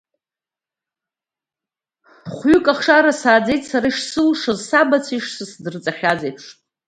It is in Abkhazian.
Хә-ҩык ахшара сааӡеит сара ишсылшоз, сабацәа ишсдырҵахьаз еиԥш.